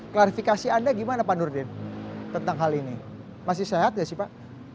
klarifikasi anda gimana pak nurdin tentang hal ini masih sehat tidak sih pak